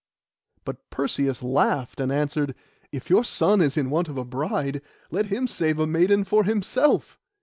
But Perseus laughed, and answered, 'If your son is in want of a bride, let him save a maiden for himself.